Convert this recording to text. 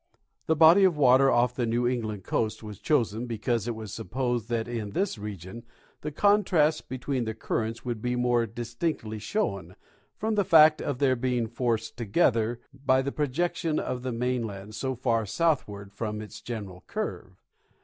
The body of water off the New England coast was chosen be cause it was supposed that in this region the contrasts between the currents would be more distinctly shown, from the fact of their being forced closer together by the projection of the main land so far southeastward from its general curve.